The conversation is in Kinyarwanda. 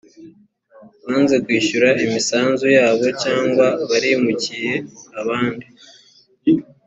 banze kwishyura imisanzu yabo cyangwa barimukiye ahandi